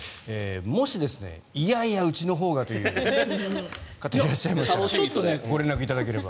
もしいやいや、うちのほうがという方がいらっしゃいましたらご連絡いただければ。